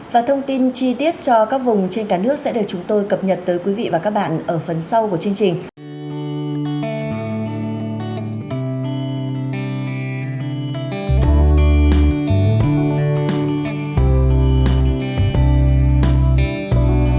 và thông tin chi tiết cho các vùng trên cả nước sẽ được chúng tôi cập nhật tới quý vị và các bạn ở phần sau của chương trình